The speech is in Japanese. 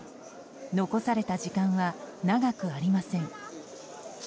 残された時間は長くありません。